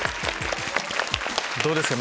どうですか？